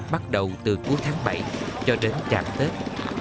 bắt đầu từ cuối tháng bảy cho đến chạp tết